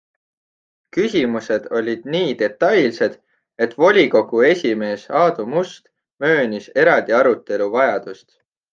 Küsimused olid nii detailsed, et volikogu esimees Aadu Must möönis eraldi arutelu vajadust.